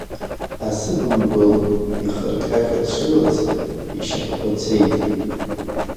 Асы бымбыл ихырҟьаҟьа дшылаз, ишьапқәа цеит.